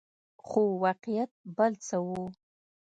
خو واقعیت بل څه وو.